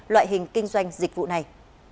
loại hình kinh doanh dịch vụ này